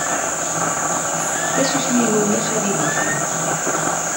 Tasusmi, ma ulac aɣilif.